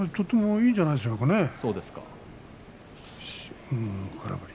とてもいいんじゃないでしょうかね。